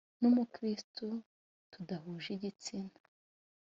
n umukristo tudahuje igitsina